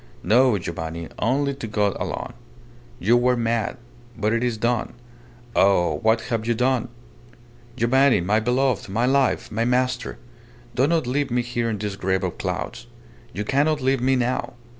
No, Giovanni. Only to God alone. You were mad but it is done. Oh! what have you done? Giovanni, my beloved, my life, my master, do not leave me here in this grave of clouds. You cannot leave me now.